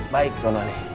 baik tuan wali